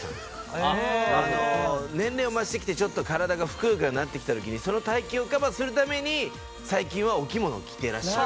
年齢を過ぎてちょっと体がふくよかになってきた時にその体形をカバーするために最近はお着物を着てらっしゃる。